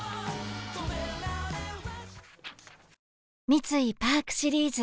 三井パークシリーズ